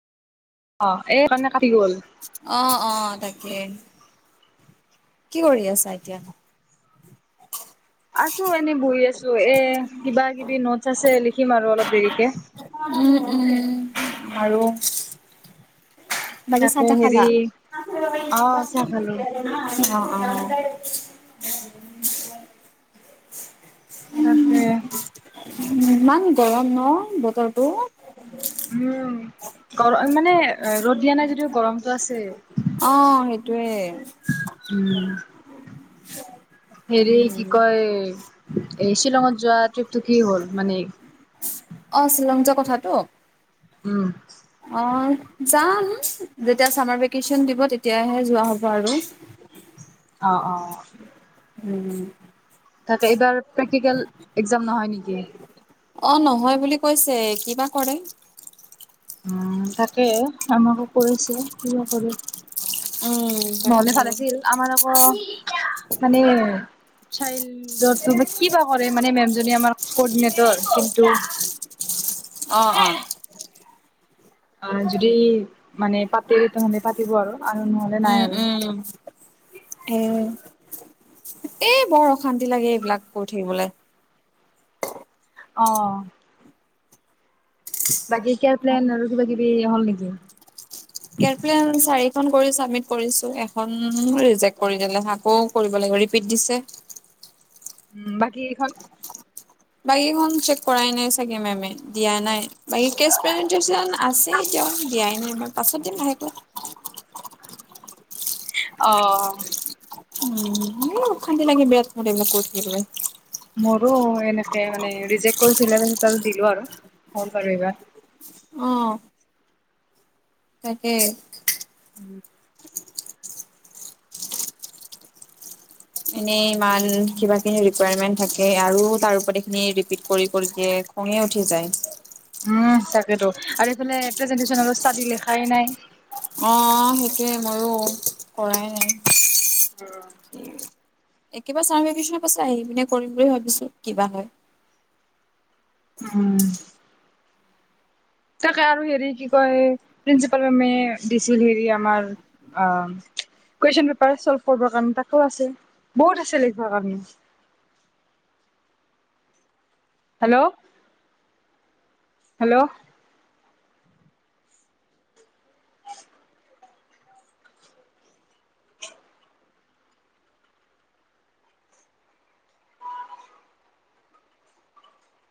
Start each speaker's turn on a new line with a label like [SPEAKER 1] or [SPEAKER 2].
[SPEAKER 1] অ এই কাৰণে কাটি গ'ল
[SPEAKER 2] অ', অ', তাকে। কি কৰি আছা এতিয়া?
[SPEAKER 1] আছো এনে বহি আছো এ কিবা কিবি নোটছ আছে লিখিম আৰু অলপ দেৰিকে।
[SPEAKER 2] উম, উম, আৰু বাকী চাহ
[SPEAKER 1] তাকে
[SPEAKER 2] তাহ খালা?
[SPEAKER 1] হেৰি অ চাহ খালো
[SPEAKER 2] অহ।
[SPEAKER 1] তাকে।
[SPEAKER 2] উম ইমান গৰম ন বতৰটো!
[SPEAKER 1] উম, গৰম মানে ৰ'দ দিয়া নাই যদিও গৰমতটো আছে।
[SPEAKER 2] আহ সেইটোয়ে।
[SPEAKER 1] উম হেৰি কি কয় এই শ্বিলংত যোৱা ট্ৰিপটো কি হ'ল মানে
[SPEAKER 2] অ', শ্বিলং যোৱা কথাটো।
[SPEAKER 1] উম।
[SPEAKER 2] অ', যাম যেতিয়া চামাৰ ভেকেচন দিব তেতিয়াহে যোৱা হ'ব আৰু। [inaudible]
[SPEAKER 1] অ', অ'।
[SPEAKER 2] উম, উম।
[SPEAKER 1] তাকে এইবাৰ প্ৰেক্টিকেল এক্জাম নহয় নেকি
[SPEAKER 2] অ', নহয় বুলি কৈছে কিবা কৰে।
[SPEAKER 1] উম, তাকে আমাকো কৈছে কিবা কৰে।
[SPEAKER 2] উম, তাকে।
[SPEAKER 1] নহ'লে ভাল আছিল, আমাৰ আকৌ মানে চাইল্ডৰ কিবা কৰে মানে মে'ম আমাৰ ক'ডিনেটৰ। কিন্তু
[SPEAKER 2] অ', অ'।
[SPEAKER 1] আহ যদি মানে পাতে তেহেঁতে পাতিব আৰু। আৰু নহ'লে নাই
[SPEAKER 2] উম,
[SPEAKER 1] আৰু।
[SPEAKER 2] উম, এ এই বৰ অশান্তি লাগে এইবিলাক কৰি থাকিবলৈ।
[SPEAKER 1] অ'। বাকী কেয়াৰ প্লেন আৰু কিবা কিবি হ'ল নেকি?
[SPEAKER 2] কেয়াৰ প্লেন চাৰিখন কৰি চাবমিট কৰিছো। এখন ৰিজেক কৰি দিলে আকৌ কৰিব লাগিব ৰিপিট দিছে। [inaudible]
[SPEAKER 1] উম, বাকী ইহঁত
[SPEAKER 2] বাকী কেইখন চেক কৰাই নাই চাগে মেমেয়ে। দিয়া নাই বাকী কেচ পেৰেন্সজেচ আছে এতিয়াও দিয়াই নাই মই পাছত দিম। মাহে [inaudible]
[SPEAKER 1] অহ।
[SPEAKER 2] উম, অশান্তি লাগে বিৰাত এইবিলাক কৰি থাকিবলৈ।
[SPEAKER 1] মোৰ এনেকে মানে ৰিজেট কৰিছিলে। দিলো আৰু মোৰ আৰু হ'ল চাগে এইবাৰ।
[SPEAKER 2] অ'। তাকে
[SPEAKER 1] উম।
[SPEAKER 2] এনেই ইমান কিবা খিনি ৰিকয়াৰমেন্ট থাকে আৰু তাৰ ওপৰত এইখিনি ৰিপিট কৰি কৰি দিয়ে। খঙে উঠি যায়।
[SPEAKER 1] উম তাকেতো আৰু এইফালে প্ৰেজেনটেশন ষ্টাডি লিখাই নাই।
[SPEAKER 2] আহ সেইটোৱে ময়ো কৰাই নাই। একেবাৰ [unintelligible] পাছে আহি পিনে কৰিম বুলি ভাবিছো কিবা হয়।
[SPEAKER 1] উম। তাকে আৰু হেৰি কি কয় প্ৰিন্সিপাল মেমে দিছিল হেৰি আমাৰ অ, কুৱেশ্যন পেপাৰ চল্ভ কৰিবৰ কাৰণে তাকো আছে বহুত আছে লিখিবৰ কাৰণে হেল্ল' হেল্ল'